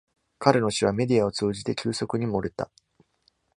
彼の死はメディアを通じて急速に漏れた。